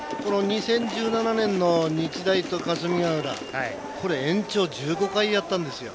２０１７年の日大と霞ヶ浦延長１５回やったんですよ。